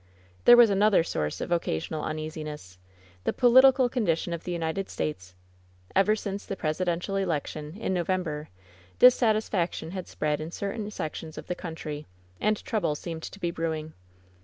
There was another source of occasional uneasiness — the political condition of the United States. Ever since the presidential election, in November, dissatisfaction had spread in certain sections of the country, and trouble seemed to be brewing.